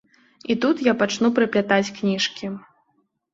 І тут я пачну прыплятаць кніжкі.